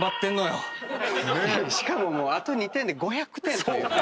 しかもあと２点で５００点というね。